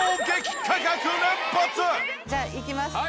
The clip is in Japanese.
じゃあいきます。